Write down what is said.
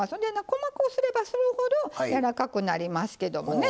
細こうすればするほど柔らかくなりますけどもね。